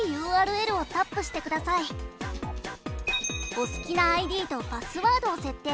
お好きなＩＤとパスワードを設定。